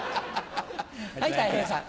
はいたい平さん。